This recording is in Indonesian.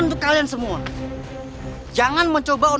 anda bisa berjaya menjashiti forring keboon